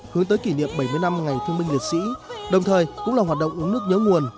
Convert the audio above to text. hướng tới kỷ niệm bảy mươi năm ngày thương binh liệt sĩ đồng thời cũng là hoạt động uống nước nhớ nguồn